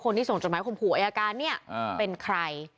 คนที่ส่งจดหมายขุมหัวอายการเนี่ยเป็นใคร